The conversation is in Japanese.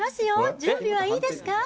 準備はいいですか。